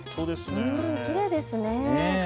きれいですね。